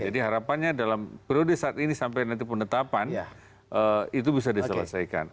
jadi harapannya dalam perlu di saat ini sampai nanti penetapan itu bisa diselesaikan